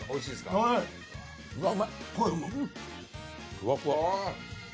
ふわふわ。